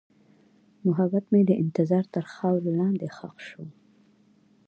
محبت مې د انتظار تر خاورې لاندې ښخ شو.